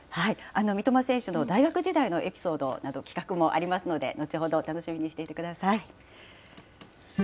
三笘選手の大学時代のエピソードなど、企画もありますので、のちほど楽しみにしていてください。